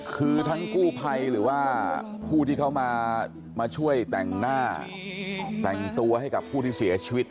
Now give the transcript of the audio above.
คือทั้งกู้ภัยหรือว่าผู้ที่เขามาช่วยแต่งหน้าแต่งตัวให้กับผู้ที่เสียชีวิต